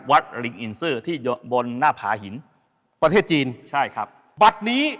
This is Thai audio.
วัดหริงอินซื้อยบนน่าผาหิน